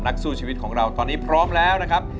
สู้ชีวิตของเราตอนนี้พร้อมแล้วนะครับ